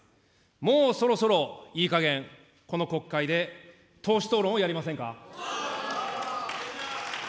もうそろそろいいかげん、この国会で党首討論をやりませんか。